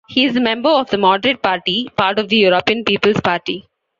He is member of the Moderate Party, part of the European People's Party.